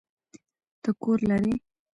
ته کور لری؟